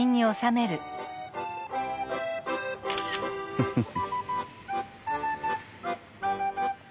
フフフ。